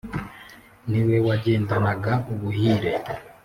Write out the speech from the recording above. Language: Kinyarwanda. ni we wagendanaga ubuhire